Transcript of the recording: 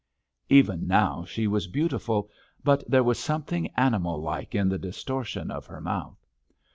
Even now she was beautiful, but there was something animal like in the distortion of her mouth.